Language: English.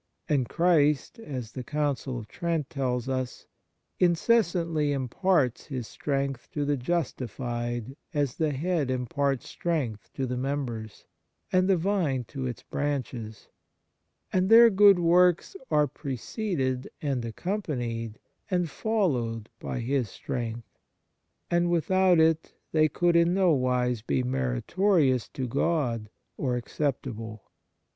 And " Christ," as the Council of Trent tells us, " incessantly imparts His strength to the justified as the head im parts strength to the members, and the vine to its branches ; and their good works are preceded and accompanied and followed by this strength, and without it they could in no wise be meritorious to God, or acceptable."